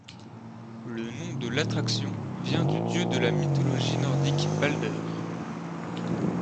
Le nom de l'attraction vient du dieu de la mythologie nordique Baldr.